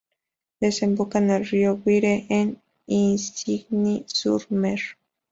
Desemboca en el río Vire en Isigny-sur-Mer.